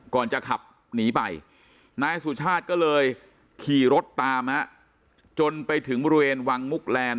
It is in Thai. ก่อนจะขับหนีไปนายสุชาติก็เลยขี่รถตามจนไปถึงบริเวณวังมุกแลนด